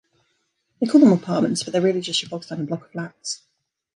They call them apartments but they're really just your bog-standard block of flats.